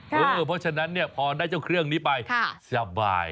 เพราะฉะนั้นพอได้เจ้าเครื่องนี้ไปสบาย